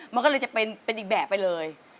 มันก็เลยหนึ่งแบบไปเลย